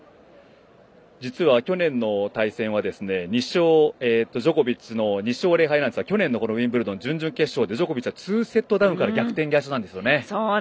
実は去年の対戦はジョコビッチの２勝０敗なんですが去年のウィンブルドン準々決勝でジョコビッチは２セットダウンから逆転勝ちなんですよね。